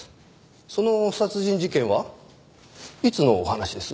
その殺人事件はいつのお話です？